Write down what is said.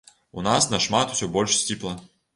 У нас нашмат усё больш сціпла.